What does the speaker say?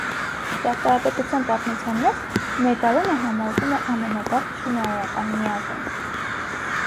Ճարտարապետության պատմության մեջ մեգարոնը համարվում է ամենավաղ շինարարական միավորը։